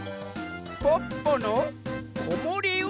「ポッポのこもりうた券」？